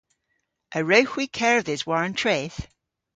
A wrewgh hwi kerdhes war an treth?